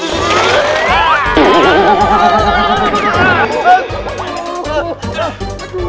aduh aduh aduh